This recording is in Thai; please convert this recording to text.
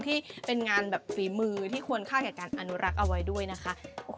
ที่เป็นงานแบบฝีมือที่ควรค่าแก่การอนุรักษ์เอาไว้ด้วยนะคะ